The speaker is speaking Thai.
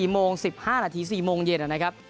๔โมง๑๕นาที๔โมงเย็นนะครับ